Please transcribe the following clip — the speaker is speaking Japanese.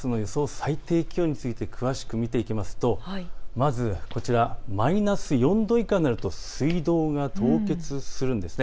最低気温について詳しく見ていくとまずマイナス４度以下になると水道が凍結するんです。